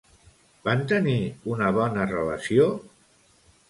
Van tenir una bona relació?